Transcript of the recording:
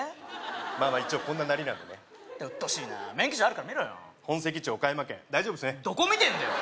まあ一応こんななりなんでねうっとうしいな免許証あるから見ろよ本籍地岡山県大丈夫ですねどこ見てんだよ！